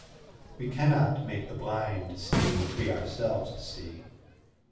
We cannot make the blind see what we ourselves see.